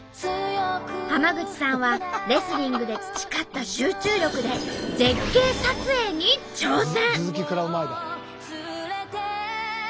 浜口さんはレスリングで培った集中力で絶景撮影に挑戦。